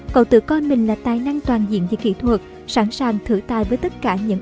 cậu tự coi mình là tài năng toàn diện về kỹ thuật sẵn sàng thử tài với tất cả những